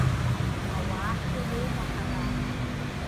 Ауаа ҳрылоума, ҳара?